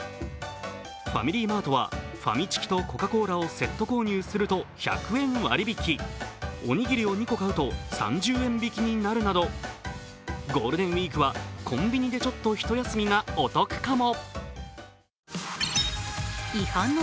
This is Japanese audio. ファミリーマートはファミチキとコカ・コーラをセット購入すると１００円割引、おにぎりを２個買うと、３０円引きになるなど、ゴールデンウイークはコンビでちょっと一休みがお得かも。